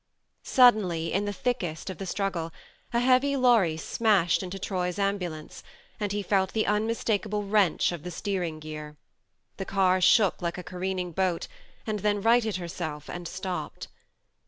Suddenly, in the thickest of the struggle, a heavy lorry smashed into Troy's ambulance, and he felt the un mistakable wrench of the steering gear. The car shook like a careening boat, and then righted herself and stopped.